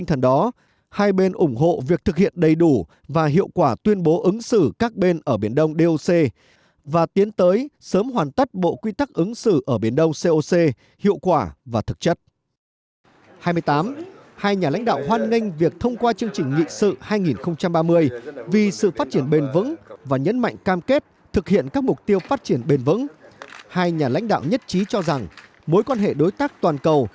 ba mươi hai bên nhấn mạnh tầm quan trọng và sự hợp tác